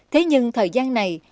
thế nhưng thời gian này